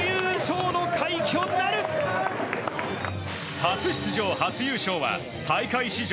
初出場、初優勝は大会史上